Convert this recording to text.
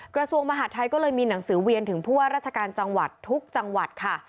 กระทรวงมหาดไทยก็เลยมีหนังสือเวียนถึงผู้ว่าราชการจังหวัดทุกจังหวัดค่ะ